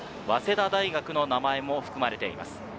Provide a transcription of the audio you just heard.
早稲田大学の名前も含まれています。